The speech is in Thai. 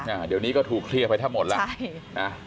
อ่าเดี๋ยวนี้ก็ถูกเครียดไปถ้าหมดแล้วใช่นะ